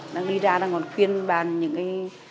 đang đi ra đang còn khuyên bàn những cái